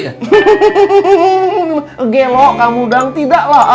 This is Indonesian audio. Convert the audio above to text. oke ngomong demor kalo bapak mereka yakin